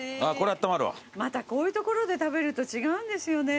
またこういう所で食べると違うんですよね。